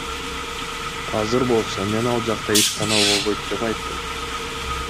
Азыр болсо мен ал жакта ишкана болбойт деп айттым.